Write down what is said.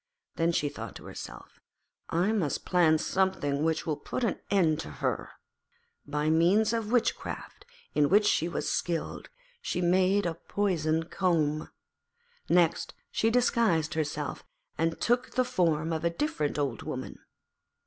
Then she thought to herself, 'I must plan something which will put an end to her.' By means of witchcraft, in which she was skilled, she made a poisoned comb. Next she disguised herself and took the form of a different Old Woman.